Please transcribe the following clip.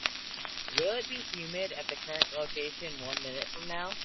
Will it be humid at the current location one minute from now?